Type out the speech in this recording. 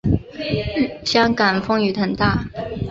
香港风雨很大